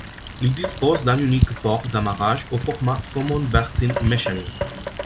Il dispose d'un unique port d'amarrage au format Common Berthing Mechanism.